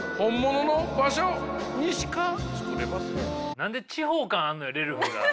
何で地方感あるのよレルフが。